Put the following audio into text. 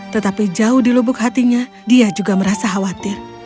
tetapi jauh di lubuk hatinya dia juga merasa khawatir